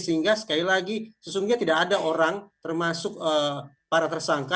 sehingga sekali lagi sesungguhnya tidak ada orang termasuk para tersangka